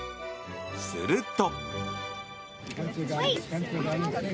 すると。